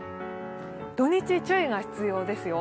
土日注意が必要ですよ。